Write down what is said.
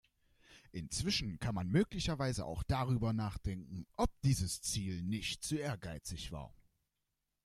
Inzwischen kann man möglicherweise auch darüber nachdenken, ob dieses Ziel nicht zu ehrgeizig war.